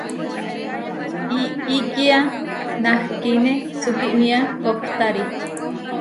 Iʼíkia nahkíne sukímia kohtári.